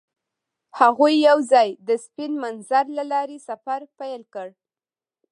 هغوی یوځای د سپین منظر له لارې سفر پیل کړ.